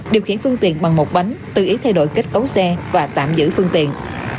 điều khiển phương tiện bằng một bánh tự ý thay đổi kết cấu xe và tạm giữ phương tiện